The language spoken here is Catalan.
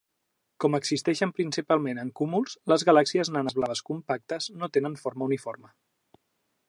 Com existeixen principalment en cúmuls, les galàxies nanes blaves compactes no tenen una forma uniforme.